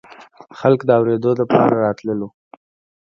خلق د اورېدو دپاره راتللو